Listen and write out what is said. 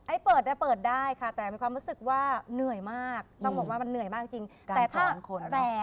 ไอ้เปิดเปิดได้ค่ะแต่มีความรู้สึกว่าเหนื่อยมาก